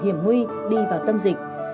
vì gian khổ hiểm nguy đi vào tâm dịch